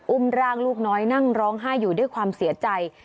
ร่างลูกน้อยนั่งร้องไห้อยู่ด้วยความเสียใจ